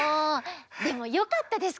でもよかったです